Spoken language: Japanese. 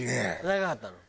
長かったの？